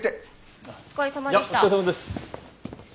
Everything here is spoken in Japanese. じゃあお疲れさまです。